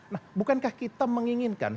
nah bukankah kita menginginkan